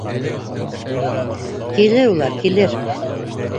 Килер улар, килер...